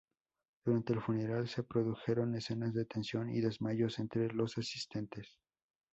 Durante el funeral, se produjeron escenas de tensión y desmayos entre los asistentes.